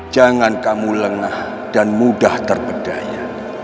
jangan kamu lengah dan mudah terpedaya